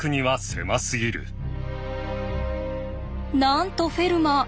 なんとフェルマー